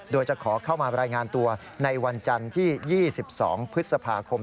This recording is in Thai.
โดยจะขอเข้ามารายงานตัวในวันจันทร์ที่๒๒พฤษภาคม